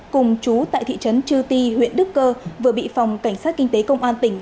cùng chú tại thị trấn chư ti huyện đức cơ vừa bị phòng cảnh sát kinh tế công an tỉnh